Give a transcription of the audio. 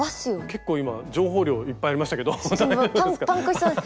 結構今情報量いっぱいありましたけど大丈夫ですか？